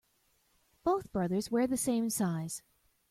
Both brothers wear the same size.